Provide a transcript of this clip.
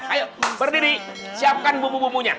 ayo berdiri siapkan bumbu bumbunya